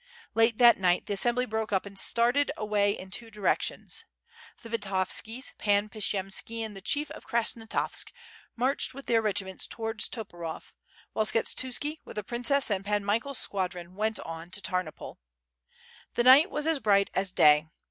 Late that night the assembly broke up and started away in two djrcK?tions. The Vitovskia, Pan Pshiyemski and the Chief of Krasnostavsk , marched with their regiments towards Toporov, while Skshetuski, with the princess and Pan Michael's squadron, went on to Tamopol. The night wa:« as bright as day.